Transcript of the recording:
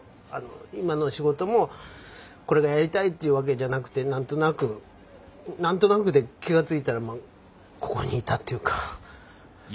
今の仕事もこれがやりたいっていうわけじゃなくて何となく何となくで気が付いたらここにいたっていうか。